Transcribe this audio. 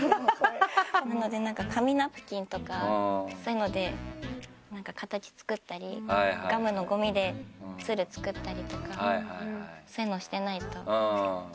なのでなんか紙ナプキンとかそういうので形作ったりガムのゴミで鶴作ったりとかそういうのをしてないと。